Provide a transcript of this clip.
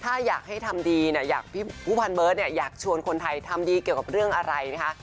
ถ้าอยากให้ทำดีผู้พันเบิร์ดอยากชวนคนไทยทำดีเกี่ยวกับเรื่องอะไรนะคะ